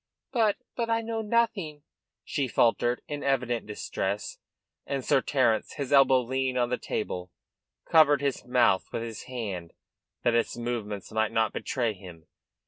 "But but I know nothing," she faltered in evident distress, and Sir Terence, his elbow leaning on the table, covered his mouth with his hand that its movements might not betray him.